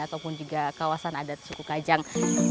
ataupun juga kawasan adat suku kajang